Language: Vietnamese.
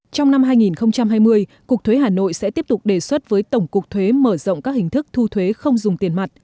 trong năm hai nghìn hai mươi cục thuế hà nội sẽ tiếp tục đề xuất với tổng cục thuế mở rộng các hình thức thu thuế không dùng tiền mặt